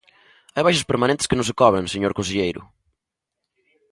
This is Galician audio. Hai baixas permanentes que non se cobren, señor conselleiro.